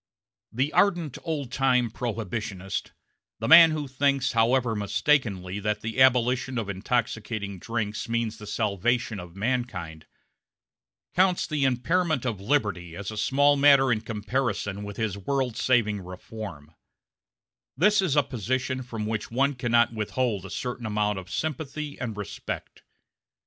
The ardent old time Prohibitionist the man who thinks, however mistakenly, that the abolition of intoxicating drinks means the salvation of mankind counts the impairment of liberty as a small matter in comparison with his world saving reform; this is a position from which one cannot withhold a certain measure of sympathy and respect.